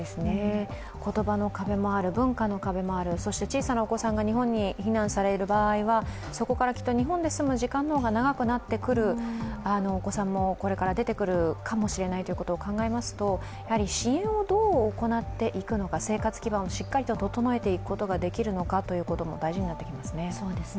言葉の壁もある、文化の壁もあるそして小さなお子さんが日本に避難される場合はそこからきっと日本で住む時間の方が長くなってくるお子さんもこれから出てくるかもしれないということを考えますと支援をどう行っていくのか生活基盤をしっかりと整えていくことができるのかということが大事になってきますね。